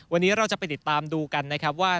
วันนี้เราจะไปติดตามดูกันว่า